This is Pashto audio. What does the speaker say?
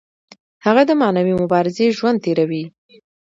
هغه د معنوي مبارزې ژوند تیروي.